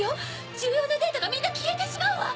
重要なデータがみんな消えてしまうわ！